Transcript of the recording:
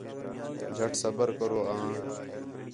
جھٹ صبر کرو آں